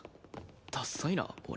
ダッサいな俺。